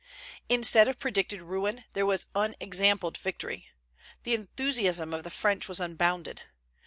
Instead of predicted ruin, there was unexampled victory. The enthusiasm of the French was unbounded.